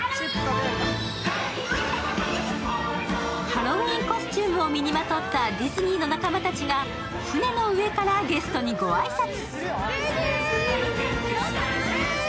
ハロウィーンコスチュームを身にまとったディズニーの仲間たちが船の上からゲストに御挨拶。